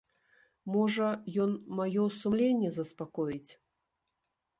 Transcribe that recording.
Можа, ён маё сумленне заспакоіць.